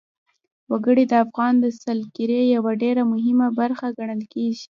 وګړي د افغانستان د سیلګرۍ یوه ډېره مهمه برخه ګڼل کېږي.